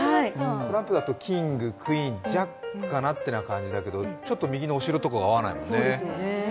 トランプだとキング、クイーン、ジャックかなという感じだけどちょっと右のお城とか合わないもんね。